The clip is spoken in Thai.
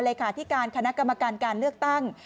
เลขาธิการคณะกรรมการการเลือกตั้ง